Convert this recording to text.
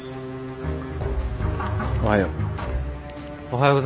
おはよう。